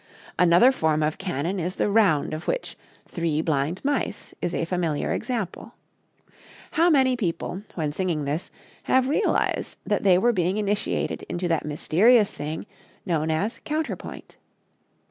Another form of canon is the round of which "Three Blind Mice" is a familiar example. How many people, when singing this, have realized that they were being initiated into that mysterious thing known as counterpoint?